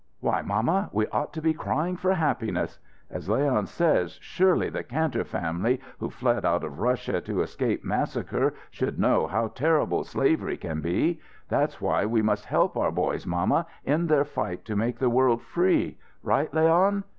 Why, mamma, we ought to be crying for happiness! As Leon says, surely the Kantor family who fled out of Russia to escape massacre should know how terrible slavery can be. That's why we must help our boys, mamma, in their fight to make the world free. Right, Leon?"